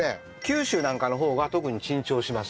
九州なんかの方が特に珍重しますね。